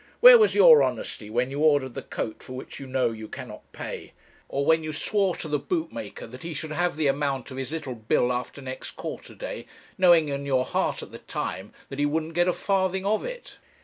Where was your honesty when you ordered the coat for which you know you cannot pay? or when you swore to the bootmaker that he should have the amount of his little bill after next quarter day, knowing in your heart at the time that he wouldn't get a farthing of it?